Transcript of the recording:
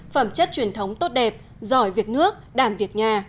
phẩm chất truyền thống tốt đẹp giỏi việc nước đảm việc nhà